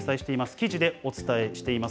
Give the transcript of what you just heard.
記事でお伝えしています。